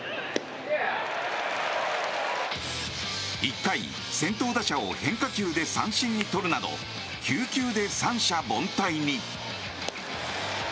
１回、先頭打者を変化球で三振に取るなど９球で三者凡退に。